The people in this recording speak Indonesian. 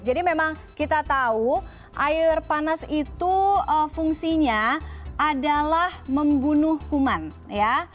jadi memang kita tahu air panas itu fungsinya adalah membunuh kuman ya